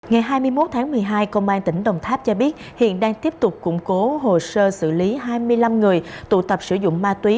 ngày hai mươi một tháng một mươi hai công an tỉnh đồng tháp cho biết hiện đang tiếp tục củng cố hồ sơ xử lý hai mươi năm người tụ tập sử dụng ma túy